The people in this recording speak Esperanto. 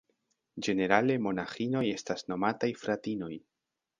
Ĝenerale monaĥinoj estas nomataj "fratinoj".